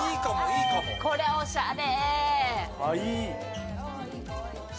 これ、おしゃれ。